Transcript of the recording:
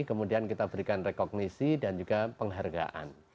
kemudian kita berikan rekognisi dan juga penghargaan